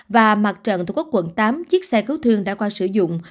và mặt trận tổ quốc quận tám chiếc xe cứu thương đã qua sử dụng